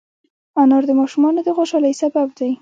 انار د ماشومانو د خوشحالۍ سبب دی.